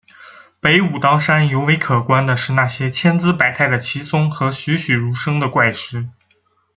北武当山尤为可观的是那些千姿百态的奇松和栩栩如生的怪石。